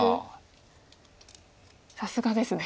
さすがですね。